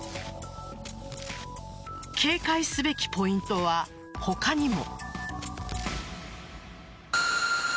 警戒すべきポイントは他にも。